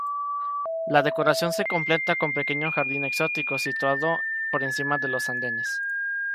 La decoración se completa con pequeño jardín exótico situado por encima de los andenes.